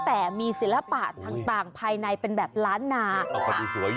แต่มีศิลปะต่างภายในเป็นแบบล้านนา